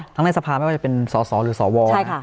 ทั้งในสภาวะจะเป็นสสหรือสว